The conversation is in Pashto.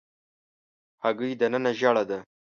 هګۍ دننه ژېړه ده.